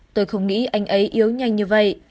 tôi không nghĩ anh ấy yếu nhanh như vậy